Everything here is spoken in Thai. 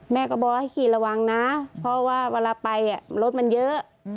แม่ก็บอกให้ขี่ระวังนะเพราะว่าเวลาไปรถมันเยอะ